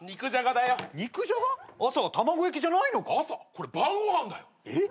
これ晩ご飯だよ。えっ！？